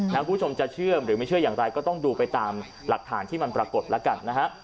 คุณผู้ชมจะเชื่อมหรือไม่เชื่ออย่างไรก็ต้องดูไปตามหลักฐานที่มันปรากฏแล้วกันนะฮะ